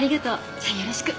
じゃよろしく。